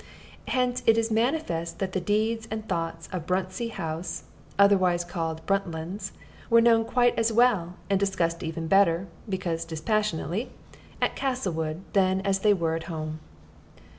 Hence it is manifest that the deeds and thoughts of Bruntsea House, otherwise called "Bruntlands," were known quite as well, and discussed even better because dispassionately at Castlewood than and as they were at home.